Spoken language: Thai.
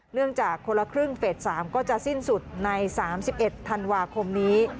จากคนละครึ่งเฟส๓ก็จะสิ้นสุดใน๓๑ธันวาคมนี้